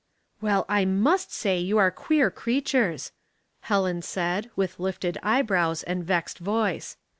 " Well, I must say you are queer creatures," Helen said, with lifted eyebrows and vexed voice.